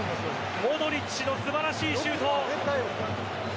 モドリッチの素晴らしいシュート。